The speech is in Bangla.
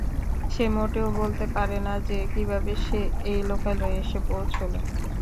সে মোটেও বলতে পারে না যে, কিভাবে সে এই লোকালয়ে এসে পৌঁছল।